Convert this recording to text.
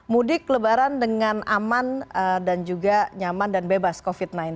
mudik lebaran dengan aman dan juga nyaman dan bebas covid sembilan belas